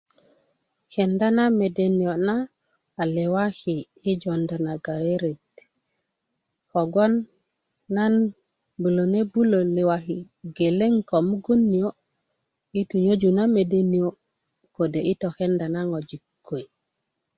kenda na mede niyo' na a liwaki' yi jonda na gayeret kogbon nan bulöne bulö liwaki geleŋ komugun niyo' yi tunyöju na mede niyo kode' yi tokenda na ŋojik kwe